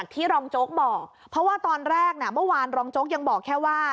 ที่รองโจ๊กบอกเพราะว่าตอนแรกเมื่อวานรองโจ๊กยังบอกแค่ว่า